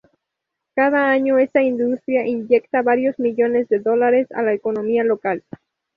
Cada año esta industria inyecta varios millones de dólares a la economía local.